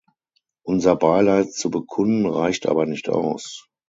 Unser Beileid zu bekunden reicht aber nicht aus.